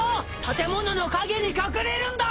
建物の陰に隠れるんだ！